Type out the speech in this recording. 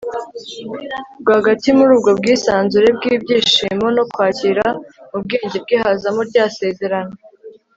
rwagati muri ubwo bwisanzure bw'ibyishimo no kwakira, mu bwenge bwe hazamo rya sezerano